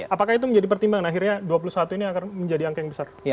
apakah itu menjadi pertimbangan akhirnya dua puluh satu ini akan menjadi angka yang besar